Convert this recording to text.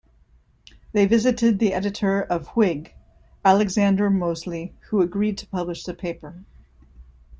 They visited the editor of Whig, Alexander Mosely, who agreed to publish the paper.